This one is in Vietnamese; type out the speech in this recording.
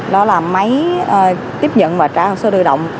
đó là máy tiếp nhận và trả hồ sơ đưa động